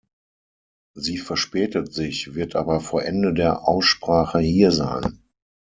Sie verspätet sich, wird aber vor Ende der Aussprache hier sein.